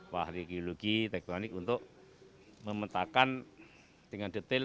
para ahli geologi teknologi untuk memetakan dengan detail